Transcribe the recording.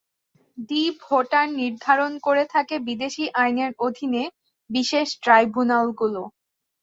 D voter নির্ধারণ করে থাকে বিদেশী আইনের অধীনে বিশেষ ট্রাইব্যুনালগুলো।